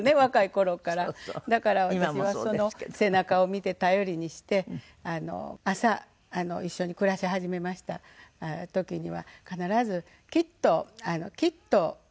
だから私はその背中を見て頼りにして朝一緒に暮らし始めました時には必ず「きっときっといい事があります」